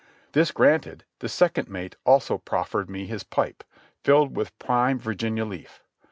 This granted, the second mate also proffered me his pipe, filled with prime Virginia leaf.